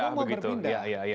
orang mau berpindah